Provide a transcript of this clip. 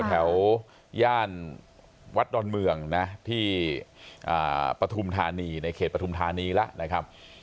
แถวย่านวัดดอนเมืองนะที่ปฐุมธานีในเขตปฐุมธานีแล้วนะครับ